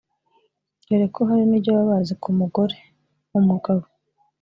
dore ko hari n’ibyo baba bazi ku mugore/umugabo